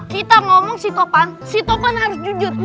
kita ngomong si tauper si tauper harus jujur